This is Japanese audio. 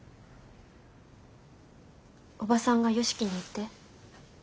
おばさんが良樹にって？